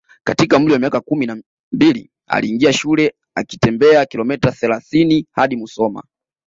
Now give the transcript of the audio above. katika umri wa miaka kumi na mbili aliingia shule akitembea kilomita thelathini hadi Musoma